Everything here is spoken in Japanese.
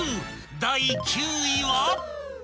［第９位は］